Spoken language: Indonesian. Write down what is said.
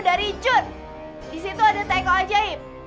dari jun disitu ada teko ajaib